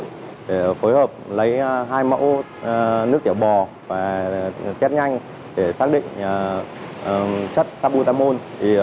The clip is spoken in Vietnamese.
để phối hợp lấy hai mẫu nước kiểu bò và test nhanh để xác định chất sabutamol